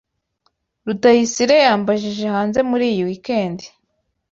Rutayisire yambajije hanze muri iyi weekend.